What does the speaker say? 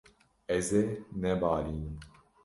Ez ê nebarînim.